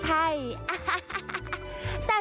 สวัสดีครับ